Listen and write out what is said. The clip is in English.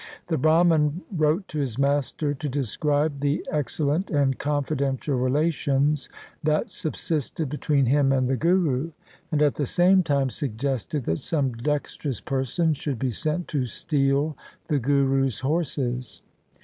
The Brahman wrote to his master to describe the excel lent and confidential relations that subsisted between him and the Guru, and at the same time suggested that some dexterous persons should be sent to steal the Guru's horses.